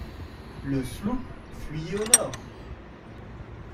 Le sloop fuyait au nord.